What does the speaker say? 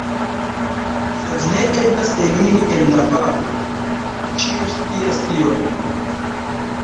Sed ne eblas eliri el la valo, ĉiu scias tion.